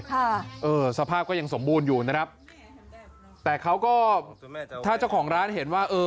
ค่ะเออสภาพก็ยังสมบูรณ์อยู่นะครับแต่เขาก็ถ้าเจ้าของร้านเห็นว่าเออ